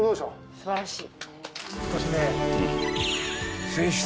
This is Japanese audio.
素晴らしい。